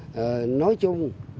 nói chung đối tượng là tất cả các người